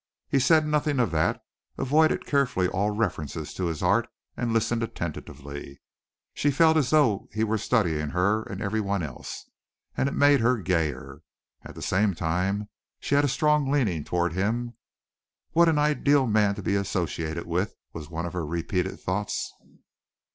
He said nothing of that, avoided carefully all reference to his art, and listened attentively. She felt though as if he were studying her and everyone else, and it made her gayer. At the same time she had a strong leaning toward him. "What an ideal man to be associated with," was one of her repeated thoughts.